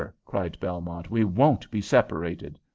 cried Belmont. "We won't be separated!"